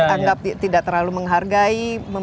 anggap tidak terlalu menghargai